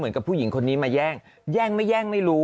มันปิดคอมเม้นต์ได้เหรอ